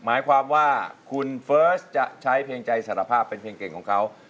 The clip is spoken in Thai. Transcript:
หมายความว่าคุณเฟิร์สจะใช้เพลงใจสารภาพเป็นเพลงเก่งของเขา